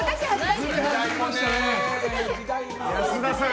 保田さん